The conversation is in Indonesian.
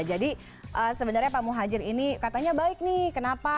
jadi sebenarnya pak muhadjir ini katanya baik nih kenapa